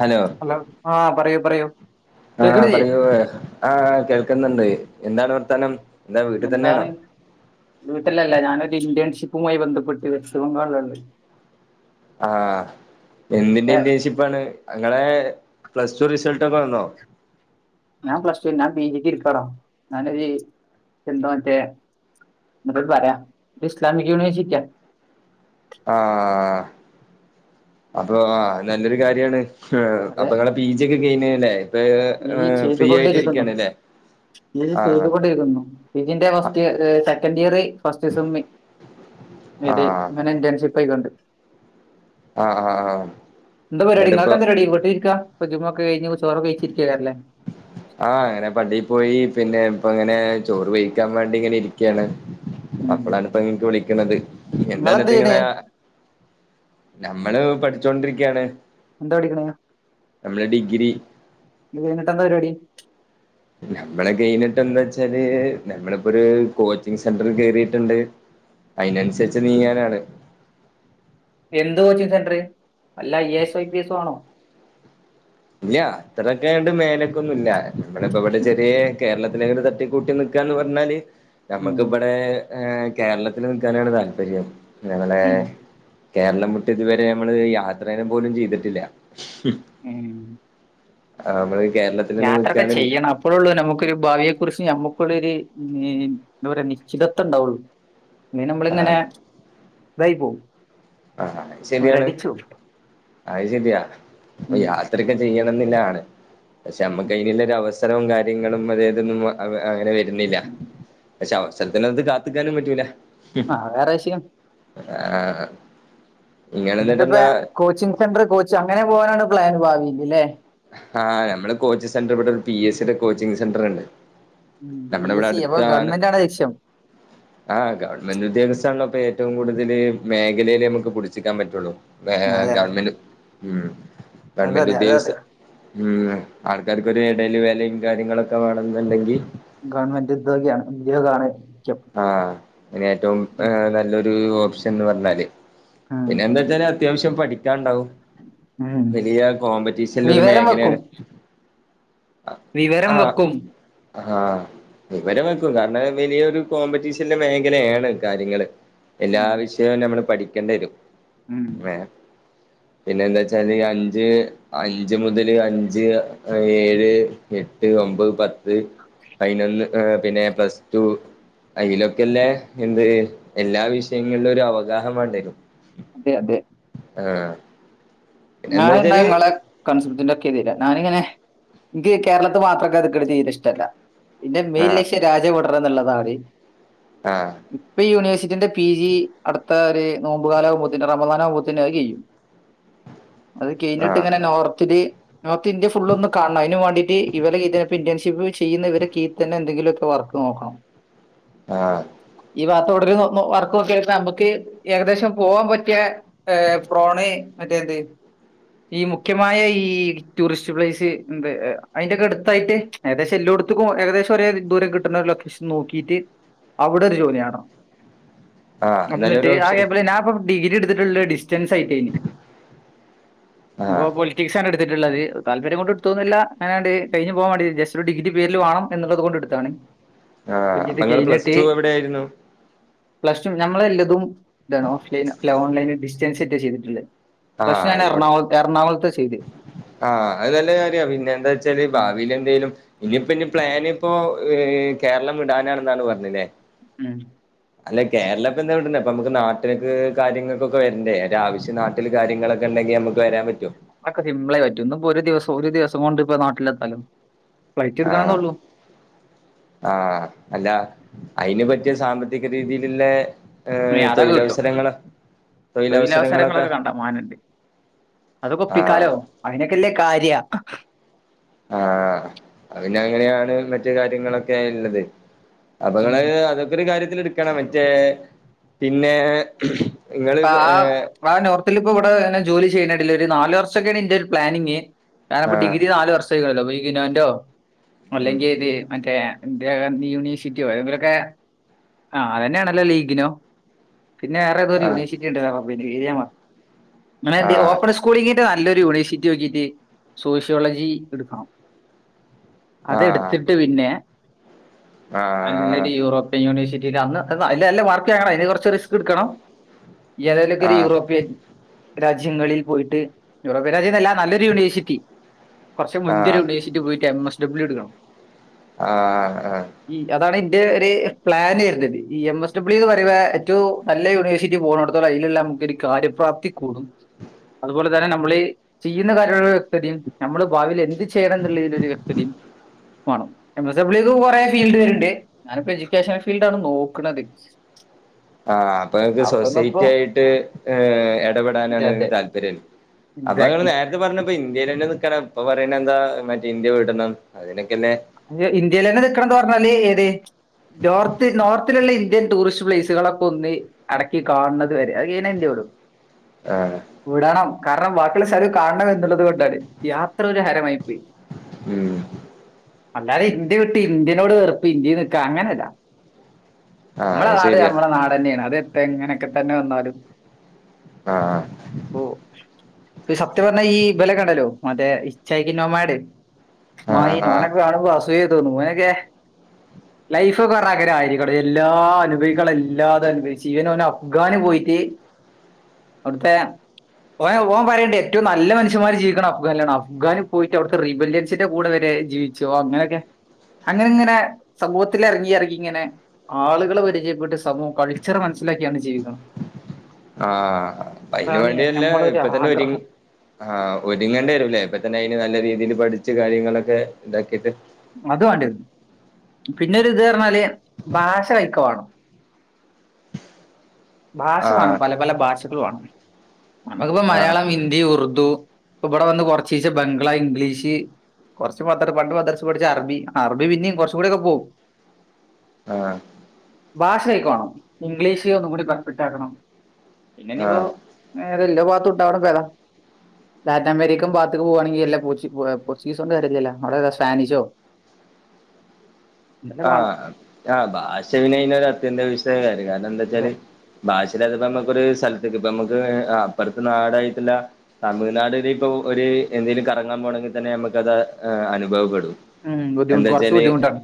Hello ആഹ് പറയൂ പറയൂ ആഹ് കേക്കണില്ലേ പറയൂ ആഹ് കേൾക്കുന്നുണ്ട്. എന്താണ് വർത്താനം എന്താ വീട്ടിൽ തന്നെയാണോ എന്താണ് വീട്ടിലല്ല ഞാനൊരു ഇന്ത്യൺഷിപ്പുമായി ബന്ധപ്പെട്ട് വെസ്റ്റ് ബംഗാളിലാ ള്ളത് ആഹ് എന്തിന്റെ ഏ, ഇന്റേൺഷിപ്പ് ആാണ് ഇങ്ങളെ പ്ലസ് ടു റിസൾട് ഒക്കെ വന്നോ ഞാൻ പ്ലസ് ടു ഞാൻ പി ജി എട്ക്കാട ഞാനൊര് എന്താ മറ്റേ എന്ന പറയാം ഇസ്ലാമിക് യൂനിവെയ്‌സിറ്റി യ ആഹ് അപ്പൊ ആ നല്ലൊരു കാര്യാണ് അപ്പെ ങ്ങ പി ജി ഒക്കെ കഴിഞ്ഞല്ലേ ഇപ്പൊ നീ ഫ്രീ ആയിട്ട് ചെയ്തുകൊണ്ടിരിക്കുന്നു. ഇരിക്കാണ്ല്ലേ ഈ ആഹ് ചെയ്തുകൊണ്ടിരിക്കുന്നു പി ജിന്റെ ആഹ് ഫസ്റ്റ് സെക്കന്റ് ഇയർ ഫസ്റ്റ്സമ്മ് ഇതെ ആഹ് ഇങ്ങനെ ഇൻറൻഷിപ്പയിക്കൊണ്ട് ആഹ് ആഹ് എന്ത പരിപാടി എന്നിട്ടിപ്പോ ഇങ്ങക്കെന്താ പരിപാടി വീട്ടിരിക്ക പ്പ ജുമുഹാ ക്കേ കഴിഞ്ഞി ചോറഴ്ച്ച് ചിരിക്ക ല്ലേ ആഹ് അങ്ങനെ പള്ളി പോയി പിന്നെ ഇപ്പ ഇങ്ങനെ ചോറ് വേഴിക്കാൻ വേണ്ടി ഇങ്ങനെ ഇരിക്കയാണ് ഉം അപ്പളാാണിപ്പ ഇങ്ങക്ക് വിളിക്ക്ണത് നിങ്ങളെന്ത് എന്താന്നിട്ട് ചെയ്യണേ ഇങ്ങളേ നമ്മള് പഠിച്ചോണ്ടിരിക്കയാണ് എന്താ പഠിക്കണെ നമ്മള് ഡിഗ് രി ഇത് കൈഞ്ഞിട്ടെന്താ പരിപാടി നമ്മള് കെയിഞ്ഞിട്ടെന്താച്ചാല് നമ്മള് പ്പൊരു കോച്ചിങ് സെന്ററിൽ കേറിട്ട്ണ്ട് അയിനൻസരിച്ച് നീങ്ങാനാണ് എന്ത് കോച്ചിങ്ങ് സെന്റർ വല്ല I A S I P എസ്സോ ആണോ ഇല്ല അത്രൊക്കെന്ന് മേലേക്കൊന്നും ഇല്ല നമ്മള ഇപ്പ ഇവിടെ ചെറിയ കേരളത്തി പിന്നെയങ്ങനെ തട്ടിക്കൂട്ടി നിക്കാന്ന് പറഞ്ഞാല് ഉം. നമ്മക്കിവടെ ഏ കേരളത്തില് നിൽക്കാനാണ് താല്പര്യം ഞങ്ങളെ ഉം. കേരളം വിട്ട് ഇതുവരെ നമ്മള് യാത്രേനം പോലും ചെയ്തിട്ടില്ല ഉം ആ നമ്മളീ കേരളത്തി യാത്രൊക്കെ ചെയ്യണം അപ്പോയേള്ളൂ നമുക്കൊരു ഭാവിയെ കുറിച്ച് നമുക്കുള്ളൊരു ന്താ പറയാ നിശ്ചിതത്വംണ്ടാവുള്ളു പിന്നെ ആ നമ്മളിങ്ങനെ തായി പോവും ഹാ ഹാ അത് ശെരിയാണ് അയ് ശരിയാ ഉം. യാത്രക്കെ ചെയ്യണം എന്നില്ലാണ്. പക്ഷെ നമ്മുക്ക് ഉം. അതിനുള്ളരവസ്ഥ ത്തരം കാര്യങ്ങളും അതേതൊന്നും അങ്ങനെ വരുന്നില്ല ഉം. പക്ഷെ അവസരത്തിനൊത്ത് കാത്ത്ക്കാനും പറ്റൂല ആഹ് വേറെ വിഷയം ആഹ് എന്നിട്ടിപ്പ ഇങ്ങളെന്നിട്ടെന്താ കോച്ചിങ് സെന്റർ കോച്ച് അങ്ങനെ പോകാനാണ് പ്ലാൻ ഭാവിയില് ല്ലേ ആഹ് നമ്മള് കോച്ചിങ് സെന്ററ് പി എസ് സിയുടെ കോച്ചിംഗ് സെന്റ ർ ണ്ട് ഉം പി എസ് സി അപ്പൊ ഗവൺമെന്റാണോ ലക്ഷ്യം ആഹ് ഗവൺമെന്റ് ഉദ്യോഗസ്ഥാണല്ലോ പ്പ ഏറ്റവും കൂടുതൽ മേഖലയില് നമുക്ക് പിടിച്ചിക്കാൻ പറ്റുള്ളൂ വേറെ അതെ അതെ ഗവൺമെന്റ് ഉം അതെ ഗവൺമെന്റ് അതെ അതെ അതെ ഉദ്യോഗസ്ഥ ഉം ആൾക്കാര് ക്കൊരു എടേല് വെലയും കാര്യങ്ങളൊക്കെ വേണെന്നുണ്ടെങ്കിൽ ഗവൺമെന്റ് ഉദ്യോഗിയാണ് ഉദ്യോഗാണ് മുക്യം ആഹ് ഇനി ഏറ്റവും ഏ നല്ലൊരു ഓപ്ഷൻ എന്ന് പറഞ്ഞാല് ഉം. പിന്നെ എന്താവെച്ച അത്യാവശ്യം പഠിക്കാണ്ടാവും ഉം. വലിയ കോമ്പറ്റീഷണൽ ഒരു വിവരം വെക്കും മേഖലയാണ്. വിവരം ആ വെക്കും ആ വിവരം വെക്കും കാരണം വെലിയൊരു കോമ്പറ്റീഷനിള്ള മേഖലയാണ് കാര്യങ്ങള് ഉം എല്ലാ വിഷയവും നമ്മള് പഠിക്കേണ്ടിരും. ഉം പിന്നെന്താച്ചാല് അഞ്ച് അഞ്ച് മുതൽ നാല് അഞ്ച് ഏഴ് എട്ട് ഒമ്പത് പത്ത് പയിനൊന്ന് പിന്നെ പ്ലസ് ടു അയിലൊക്കെല്ലേ എന്ത് എല്ലാ വിഷയങ്ങളിലും ഒരു അവഗാഹം വേണ്ടേ അതെ അതെ ആഹ് പിന്നെ എന്താ വെച്ചാല് ഞാനെന്താങ്ങളെ കൺസെപ്റ്റിന്റെയൊക്കെയെതിരാ ഞാനിങ്ങനെനിക്ക് കേരളത്ത്ല് മാത്രമൊക്കെ കെടക്കണ ചെയ്തി ഇഷ്ടമല്ല. പിന്നെ മെയിൻ ആഹ് ലക്ഷ്യം രാജ്യം വിടണമെന്നുള്ളതാണ്. ആഹ് ഇപ്പ യൂണിവേഴ്സിറ്റിന്റെ പി ജി അടുത്ത ഒരു നോമ്പുകാലാവകുമ്പത്തെനും റമബനാനകുമ്പത്തേനും അത് കെയ്യും. അത് ആഹ് കഴിഞ്ഞിട്ടിങ്ങനെ നോർത്തില് നോർത്ത് ഇന്ത്യ ഫുൾ ഒന്ന് കാണണം അയിന് വേണ്ടിട്ട് ഇവരെ ഇന്ത്യൻഷിപ്പ് ചെയ്യുന്ന ഇവരെ നകീയില് എന്തെങ്കിലുമൊക്കെ വർക്ക് നോക്കണം. ആഹ് ഈ ഭാഗത്തോടൊരു വർക്ക്‌ നോക്കിയിട്ട് നമുക്ക് ഏകദേശം പോവാൻ പറ്റിയ പ്രോണ മറ്റേത് ഈ മുഖ്യമായ ഈ ടൂറിസ്റ്റ് പ്ലേസ് എന്ത് അയിന്റെയൊക്കെ അടുത്തായിട്ട് ഏകദേശം എല്ലോടത്ത്ക്കും ഏകദേശം ഒരേ ദൂരം കിട്ടുന്ന ഒരു ലൊക്കേഷൻ നോക്കിട്ട് അവിടെ ഒരു ജോലിയാണം ആഹ് നല്ലൊരു എന്നിട്ട് ഓപ്ഷൻ ആകെപ്പെ ഞാപ്പോ ഡിഗ്രി എടുത്തിട്ടുള്ള ഡിസ്റ്റൻസ് ആയിട്ടേനി അപ്പോ ആഹ് ആ പോയില്ലേ ഫിസിക്സ് ആണ് എടുത്തിട്ടളളത് താൽല്പര്യം കൊണ്ട് എടുത്തോന്നല്ല അങ്ങനാണ്ട് കഴിഞ്ഞു പോവാൻ വാണ്ടി ജസ്റ്റ് ഒരു ഡിഗ്രി പേരിൽ വേണം എന്നുള്ളത് കൊണ്ട് എടു ത്താണ് ആഹ് അപ്പൊ ഇപ്പത് നിങ്ങള് പ്ലസ് കഴിഞ്ഞിട്ട് ടു എവിടെയായിരുന്നു പ്ലസ് ടു ഞമ്മൾ എല്ലതും ഇതാണ് ഓഫ്ലൈൻ അല്ല ഓൺലൈന് ഡിസ്റ്റൻസായിട്ട ചെയ്തിട്ടുള്ളത്. ആഹ് പക്ഷെ ഞാൻ ആയിക്കോട്ടെ എറണാകു എറണാകുളത്ത് ചെയ്ത് ആഹ് അത് നല്ല കാര്യാ പിന്നെ എന്താ വെച്ചാല് ഉം. ഭാവിൽ എന്തെലും ഇനിയിപ്പോ ഇനി പ്ലാനിപ്പോ കേരളം വിടാനാണെന്നാണ് പറഞ്ഞില്ലേ? ഉം അല്ലാ കേരള ഇപ്പൊ എന്നാവിടന്നേ അപ്പൊ നമുക്ക് നാട്ട്ക്ക് കാര്യങ്ങൾക്കൊക്കെ വരണ്ടേ ഒര ആവശ്യം നാ കാര്യങ്ങളൊക്കെ ഉണ്ടെങ്കി നമുക്ക് വരാൻ പറ്റോ അതൊക്കെ സിമ്പിളായി പറ്റും ഇന്ന് ഇപ്പോ ഒരു ദിവസം ഒരു ദിവസം കൊണ്ട് ഇപ്പ നാട്ടിലെത്താലോ ഫ്ലൈറ്റ് ആഹ് എടുക്കണന്നൊള്ളൂ. ആഹ് അല്ല അയിന് പറ്റിയ സാമ്പത്തിക രീതിയിസല് ല്ലേ ഇനി ഏഹ് അതൊക്കെ കിട്ടും തൊഴിലവസരങ്ങൾ തൊഴിലവസരങ്ങളൊക്കെ അതൊക്കെ ആഹ് ഒപ്പിക്കാലോ അയിനൊക്കെല്ലേ കാര്യാ ആ അഹ് പിന്നെ അങ്ങനെയാണ് മറ്റേ കാര്യങ്ങളൊക്കെ ഉള്ളത് അപ്പൊ ഇങ്ങള് ഉം. അതൊക്കെ ഒരു കാര്യത്തില് എടുക്കണം മറ്റേ പിന്നെ ഇങ്ങള് അപ്പാ ഏഹ് ആ നോർത്തിൽ ഇപ്പം ഇവിടെ ഇങ്ങനെ ജോലി ചെയ്യണേ കണ്ടില്ലേ ഒരു നാല് വർഷൊക്കേണ് ഇന്റെ ഒരു പ്ലാനിങ്. ഞാനിപ്പോ ആഹ് ഡിഗ്രി നാല് വർഷമായിക്ക്ണല്ലോ ഇഗ്ന്നോന്റൊ ഉം അല്ലെങ്കിൽ ഇത് മറ്റേ ഇന്ദിരാഗാന്ധി യൂണിവേഴ്സിറ്റിയോ എതെങ്കിലുമൊക്കെ ആ അതന്നെയാണല്ലോ ഇഗ്ന്നോ പിന്നെ വേറെതോരു ആഹ് യൂണിവേഴ്സിറ്റി ഉണ്ടല്ലോ [unintelligible] ആഹ് ഓപ്പൺ സ് സ്കൂള് കഴിഞ്ഞിട്ട് നല്ലൊരു യൂണിവേഴ്സിറ്റി നോക്കിട്ട് സോഷ്യോളജി എടുക്കണം. ആഹ് അതെടുത്തിട്ട് പിന്നെല് ആഹ് നല്ലൊര് യൂറോപ്യൻ യൂണിവഴ്സിറ്റിയില് അന്ന് അല്ല നല്ല മാർക്ക് വങ്ങണം അയിന് കുറച്ച് റിസ്ക് എടുക്കണം. ഇയ്യ് ഏതായലുമൊക്കെ ഒരു ആഹ് യൂറോപ്യൻ രാജ്യങ്ങളിൽ പോയിട്ട് യൂറോപ്യൻ രാജ്യന്നല്ല നല്ലൊരു യൂണിവേഴ്സിറ്റി കുറച്ച് മുൻന്ത്യൊരു ആഹ് യൂണിവേഴ്സിറ്റി പോയിട്ട് എം എസ് ഡബ്ല്യൂ എടുക്കണം ആഹ് ആഹ് ഈ അതാണ് ഇന്റെ ഒരു പ്ലാന് വരുന്നത് ഈ എം എസ് ഡബ്ലിയു എന്ന് പറയ്മ്പോ ഏറ്റവും നല്ല യൂണിവേഴ്സി റ്റി പോണടത്തോളം അയ്ല്ള്ളെ നമുക്കൊര് കാര്യ പ്രാപ്തി കൂടും അതുപോലെത ന്നെ നമ്മള് ചെയ്യുന്ന കാര്യത്തോടുള്ള ഒരു വ്യക്തതയും നമ്മള് ഭാവിൽ എന്ത് ചെയ്യണം എന്നുള്ളതിൽ ഒരു വ്യക്തതയും വാണം എം എസ് ഡബ്യൂക്ക് കുറെ ഫീൽഡ് വെര്ണ്ട് ഞാനിപ്പോ എഡ്യൂക്കേഷൻ ഫീൽഡാണ് നോക്ക്ണത് ആഹ് അപ്പൊ ങ്ങക്ക് ഇപ്പൊ സൊസൈറ്റി ആയിട്ട് ഏഹ് എടപെടാനാണ് താല്പര്യം ല്ലേ തെ അപ്പങ്ങള് നേരത്തെ പറഞ്ഞപ്പ ഇന്ത്യയിൽ തന്നെ നിക്കാനാ ഇപ്പൊ പറയണ എന്താ മറ്റേ ഇന്ത്യ വീടണം അതിനൊക്കെന്നെ ജ്ജ് ഇന്ത്യയിലെന്നെ നിൽക്കണംന്ന് പറഞ്ഞാല് ഏത് നോർത്ത് നോർത്തിലുള്ള ഇന്ത്യൻ ടൂറിസ്റ്റ് പ്ലേസുകളൊക്കൊന്ന് അടക്കി കാൺണത് വരെ അഹ് കഴിഞ്ഞാ ഇന്ത്യ വിടും ആഹ് വിടണം കാരണം വാക്കിള്ള സ്ഥലം കാണണം എന്നുള്ളത് കൊണ്ടാണ് യാത്ര ഒരു ഹാരമായി പോയി ഉം അല്ലാതെ ഇന്ത്യ വിട്ട് ഇന്ത്യനോട് വെറ്പ്പ് ഇന്ത്യയിൽ നിക്ക അങ്ങനല്ലാ ആഹ് മ്മളെ അത് നാട് ശരിയാ അമ്മളെ നാടെന്നെണ് അത് എപ്പ എങ്ങനെക്കെതന്നെ വന്നാലും ആഹ് പ്പോ സത്യം പറഞ്ഞാ ഈ ബലൊക്കണ്ടല്ലോ മറ്റേ ഇച്ചായിക്ക്നോമ്മാട് മ ആഹ് ആഹ് കാണുമ്പോ അസൂയ തോന്നും ഓനൊക്കെ ലൈഫൊക്കെ പറഞ്ഞ അങ്ങനെ ആയിരിക്കണം എല്ലാ അനുഭവിക്കാൻ ഉള്ള എല്ലാതും അനുഭവിച്ച് ഇവന് ഓന് അഫ്ഗാന് പോയിറ്റ് അവ്ട്ത്തെ ഓൻ ഓൻ പറീണ്ട് ഏറ്റവും നല്ല മനുഷ്യമാർ ജീവിക്കണത് അഫ്ഗാനാലിലാണ് അഫ്ഗാന് പോയിട്ട് അവിടുത്തെ റിബല്യൻസിന്റെ കൂടെ വരെ ജീവിച്ചോ ഒ അങ്ങനൊക്കെ അങ്ങനെ ഇങ്ങനെ സമൂഹത്തിൽ എറങ്ങി എറങ്ങി ഇങ്ങനെ ആളുകളെ പരിചയപ്പെട്ട് സമൂഹം കൾച്ചറ് മനസ്സിലാക്കിയാണ്ട് ജീവിക്കണം ആഹ് അയ്‌ന് അതാണ് വാണ്ടിയല്ലേ നമ്മളെ ഒരു ഇപ്പതന്നെ ഒരുങ്ങ് ആഗ്രഹം ആഹ് ഒരുങ്ങണ്ടെരും ല്ലെ ഇപ്പത്തന്നെ അയിന് നല്ല രീതിയിൽ പഠിച്ച് കാര്യങ്ങളൊക്കെ ഇതാക്കിട്ട് അത് വാണ്ടിയെരും പിന്നെരു ഇത് പറഞ്ഞാല് ഭാഷ കയ്‌ക്കെവാണം ഭാഷ വാണം. ആഹ് പല പല ഭാഷകള് വാണം. നമുക്കിപ്പോ ആഹ് മലയാളം, ഹിന്ദി, ഉർുദു, ഇപ്പ ബടെ വന്ന് കൊർച്ചീച്ചെ ബംഗ്ല, ഇംഗ്ലീഷ് കൊറച്ച് മദ്ര പണ്ട് മദ്രസ പഠിച്ച അറബി അറബി പിന്നെയും കുറച്ച് കൂടെക്കെ പോവും. ആഹ് ഭാഷ കൈക്കെ വാണം ഇംഗ്ലീഷ് ഒന്നും കൂടി പെർഫെക്റ്റ് ആക്കണം. പിന്നെനിപ്പോ ആഹ് നേരെല്ലാഭാത്തുണ്ടാവ്ണപ്പേതാ ലാറ്റിന അമേരിക്കം ഭാത്ത്ക്ക് പോവാണെങ്കിൽ എല്ല പോർച്ചു പൊ എഹ് പോർച്ചുഗീസോണ്ട് കാര്യ ഇല്ലല്ലോ അവിടെ ഏതാ സ്പാനിഷോ [inaudible] എന്തെല്ലാം ആഹ് വേണം ആഹ് ഭാഷ പിന്നെ അയ്നൊരു അത്യന്താഭേശിക കാര്യാണ് അതെ അതെന്താച്ചാല് ഭാഷഇല്ലാതെ പ്പമ്മക്കൊര് സ്ഥലത്തേക്ക് ഇപ്പ മ്മക്ക് അപ്പുറത്തെ നാടായിട്ട്ള്ള തമിഴ്നാടില് ഇപ്പൊ ഒരു എന്തെങ്കലും കറങ്ങാൻ പോകണമെങ്കിൽ തന്നെ നമ്മുക്ക് അത് അനുഭവപ്പെടും. ഉം ബുദ്ധിമു കൊറച്ചു എന്താച്ചാല് ബുദ്ധിമുട്ടാണ്.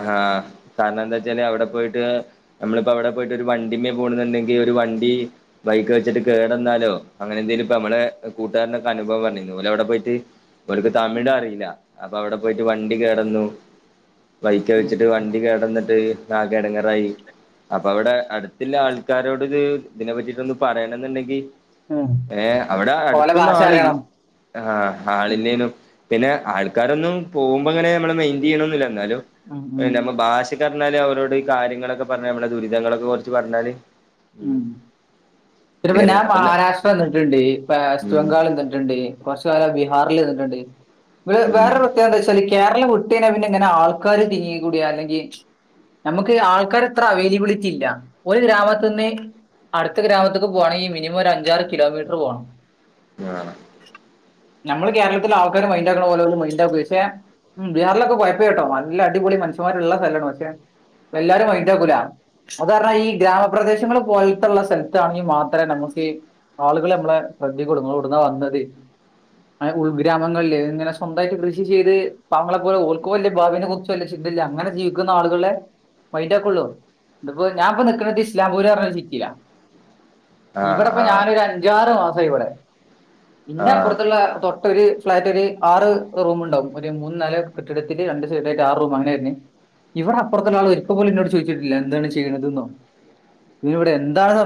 ആഹ് കാരണന്താച്ചാല് അവിടെ പോയിട്ട് നമ്മളിപ്പോ അവിടെ പോയിട്ട് ഒരു വണ്ടിമ്മേ പോണ്ന്ന്ണ്ടെങ്കി ഒരു വണ്ടി വൈക്കെ വെച്ചിട്ട് കേടെന്നാലോ അങ്ങനെന്തെലും ഇപ്പ മ്മളെ കൂട്ടാരനൊക്കെ അനുഭവം പറഞ്ഞിന്നു ഓല് അവ്ടെ പോയിറ്റ് ഓല്ക്ക് ഉം, തമിഴ് അറീല്ല അപ്പൊ അവിടെ പോയിട്ട് വണ്ടി കേടന്നു വഴിക്കെവെച്ചിട്ട് ഉം, വണ്ടി കേടെന്ന്ട്ട് ആകെ എടങ്ങേറായി. അപ്പൊ അവിടെ അടുത്തുള്ള ആൾക്കാരോട് ഇത്‌ ഇതിനെ പറ്റിറ്റൊന്ന് പറയണം ന്ന്ണ്ടെങ്കി ഉം. ഏഹ് അവിടെ ഓലെ ഭാഷ അട്ത്തൊന്നാളി അറിയണം ആഹ് ഉം, ആളില്ലേനും പിന്നെ ആൾക്കാരൊന്നും പോവുമ്പങ്ങനെ ഞമ്മളെ മെയിന്റ് ചെയ്യണന്നില്ല. ന്നാലും ഉം, പിന്നെ ഉം, നമ്മ ഭാഷക്കെ അറിഞ്ഞാല് അവരോട് ഈ കാര്യങ്ങളൊക്കെ പറഞ്ഞാൽ നമ്മുടെ ദുരിതങ്ങളൊക്കെ കൊറച്ച് പറഞ്ഞാല് ഉം നല്ല പ്പ ഞാൻ കാര്യങ്ങളാ അപ്പ മഹാരാഷ്ട്ര വന്നിട്ടുണ്ട് വെസ്റ്റ് ഉം ബംഗാൾ വന്നിട്ടുണ്ട് കുറച്ചുകാലം ബിഹാറിൽ നിന്നിട്ടുണ്ട്. ഉം വേറൊരു പ്രത്യേകത എന്താ വച്ചാൽ കേരളം വിട്ട് കുട്ടീനെ പിന്നെ ഇങ്ങനെ ആൾക്കാര് തിങ്ങികൂടിയാ അല്ലെങ്കിൽ നമ്മുക്ക് ആൾക്കാർ എത്ര അവൈലബിളിറ്റി ഇല്ല ഒരു ഗ്രാമത്തിന്ന് അടുത്ത ഗ്രാമത്തി പോണെങ്കിൽ മിനിമം അഞ്ചാറ് കിലോമീറ്റർ പോണം. ആഹ് നമ്മള് കേരളത്തിൽ ആൾക്കാര് മൈണ്ടാക്കണ പോലും മൈന്റാക്കുക പക്ഷേ ഉം ബിഹാറിലൊക്കെ പോയപ്പം കേട്ടോ അല്ല അടിപൊളി മനുഷ്യമാരുള്ള സ്ഥലമാണ് പക്ഷേ എല്ലാവരുംമൈന്റ് ആക്കൂലഅത് കാരണം ഈ ഗ്രാമപ്രദേശങ്ങൾ പോലത്തുള്ള സ്ഥലത്താണ് മാത്രമേ നമ്മുക്ക് ആളുകൾ നമ്മളെ ശ്രദ്ധ കൊടു കൊടുങ്ങാ ങ്ങള് എവിടെന്നാവന്നത്. ഉൾഗ്രാങ്ങളില് ഇങ്ങനെ സ്വന്തമായിട്ട് കൃഷി ചെയ്ത് പാ വങ്ങളെപോലെ ഓൾക്ക് വല്ലിയ ഭാവിനെ കു ചിന്തയില്ല അങ്ങനെ ജീവിക്കുന്ന ആളുകളെ മെന്റാക്കുള്ളു. ഇപ്പോ ഞാനിപ്പ നിക്കണേഇസ്ലാം പൂല് എന്ന് പറഞ്ഞ സിറ്റിയിലാ ആഹ് ഇവിടിപ്പംഞാനൊരു അഞ്ചാറ് മാസം ഇവിടെ ആഹ് ഇന്റെ ആഹ് അപ്പുറത്തുള്ള തൊ ഒരു ഫ്ളാറ്റ് ഒരു ആറ് റൂം ഉണ്ടാവും ഒരു മൂന്ന് നാല് കെട്ടിടത്തില് രണ്ട് സൈഡായിട്ട് ആറ് റൂം അങ്ങനെരുന്നു ഇവിടെ അപ്പുറത്തുള്ള ആൾ ഒരിക്ക പോലും എന്നോട് ചോദിച്ചിട്ടില്ല എന്താണ് ചെയ്യണത് എന്നോ നീ ഇവിടെ എന്താണ്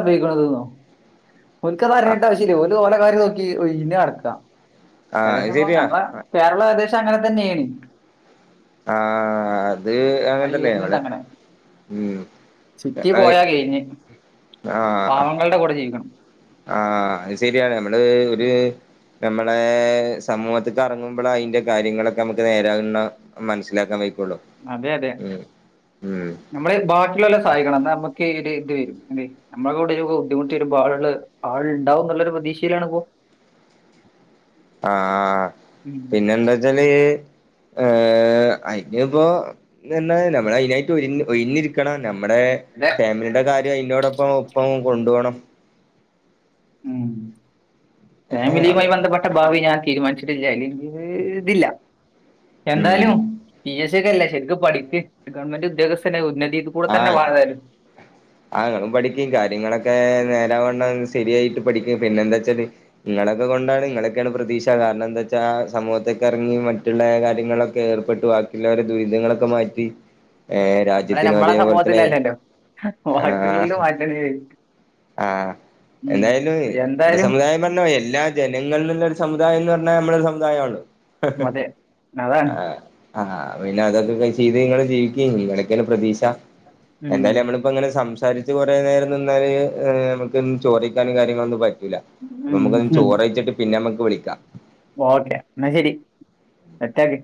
ഓര്ക്ക് അതറിയണ്ട് ആവശ്യല്ല അവര്ക്ക് അവരെ കാര്യം നോക്കി ഒഴിഞ്ഞ് നടക്കാം ആഹ് അത് ഏകദേശം ശരിയാ നമ്മടെ ആഹ് കേരളം ഏകദേശം അങ്ങനെ തന്നെയാണ്. ആ അത് അത് അങ്ങനെത്തന്നെയാണ്. വരുന്നുണ്ട് ഇവിടെ അങ്ങനെ ഉം സിറ്റി പോയാ കഴിഞ്ഞ് അ ആഹ് പാവങ്ങളുടെ കൂടെ ജീവിക്കണം. ആഹ് അയ് ശരിയാണ് നമ്മള് ഒരു നമ്മളെ, സമൂഹത്ത്ക്ക് ഇറങ്ങുമ്പളാ അയിന്റെ കാര്യങ്ങളൊക്കെ നമുക്ക് നേരാകുന്ന. - മനസ്സിലാക്കാൻ വയ്ക്കൊള്ളൂ. അതെ അതെ. നമ്മള് ബാക്കിയുള്ളോ ലെ സഹായിക്കണം. ന്നാ നമ്മുക്ക് ഇത് ഇത് വരും. അല്ലെ- നമ്മളെവ്ടൊരു ബുദ്ധിമുട്ടു വരുമ്പോൾ ആളാള് ആൾുണ്ടാവും ന്നുള്ളരു പ്രതീക്ഷയിലാണ് ഇപ്പോ. ആ. ഉം. പിന്നെന്താച്ചാല്, ഏ. അയിന് ഇപ്പൊ, നമ്മൾ അയിനായിട്ട് ഒ ഒയ്ഞ്ഞിരിക്കണം. നമ്മടെ അതെ ഫാമിലിയുടെ കാര്യം, അയിന്റോടൊപ്പം ഒപ്പം കൊണ്ടോണം. ഉം. ഏഹ് ഫാമിലിയുമായി അതെ ബന്ധപ്പെട്ട ഭാവി ഞാൻ തീരുമാനിച്ചു. ട്ടില്ലഇതില്ല. ഉം എന്താലും. പി എസ് സി ഒക്കെല്ലെ ശരിക്കും പഠിക്ക്. ഗവൺമെന്റ് ഉദ്യോഗസ്ഥനെ ഉന്നതി - അഹ ആ ങ്ങളും പഠിക്കി. കാര്യങ്ങളൊക്കെ നേര വണ്ണം ശരിയായിട്ട് പഠിക്ക്. പിന്നെ എന്താച്ചാല്. ങ്ങളൊക്കെ കൊണ്ടാണ്, നിങ്ങളൊക്കെയാണ് പ്രതീക്ഷ. കാരണം എന്താ വെച്ചാ സമൂഹത്തേക്കെറങ്ങി മറ്റുള്ള കാര്യങ്ങളൊക്കെ. - ഒ ഏർപ്പെട്ട്, ബാക്കിയുള്ളവരെ ദുരിതങ്ങളൊക്കെ മാറ്റി. ഏ, രാജ്യ- മ്മളെ സമൂഹത്തിലല്ലല്ലോ? ബാക്കിള്ളോൽത് മാന്യതയു - ആഹ. എന്തായാലും നമ്മടെ എന്തായാലും സമുദായം പറഞ്ഞോ എല്ലാ- ജനങ്ങളുന്നൊരു സമുദായംന്ന് പറഞ്ഞാ നമ്മള സമുദായാണ്. അതെ അതാണ് ആ ആ പിന്നെ അതൊക്കെ ചെയ്ത് നിങ്ങള് ജയിക്കി. നിങ്ങളൊക്കേണ് പ്രതീക്ഷ. ഉം. എന്തായാലും നമ്മളിപ്പോ ഇങ്ങനെ സംസാരിച്ച് കുറ നേരം നിന്നാല്- നമുക്ക് ചോറയിക്കാനും കാര്യങ്ങളൊന്നും പറ്റൂല. അപ്പൊ നമുക്ക ഉം. ചോറയ്ച്ചിട്ട് പിന്നെ നമ്മക്ക് വിളിക്കാം ഓക്കെ. എന്നാ ശരി. സെറ്റാക്ക്.